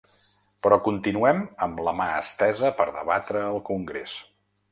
Però continuem amb la mà estesa per debatre al congrés.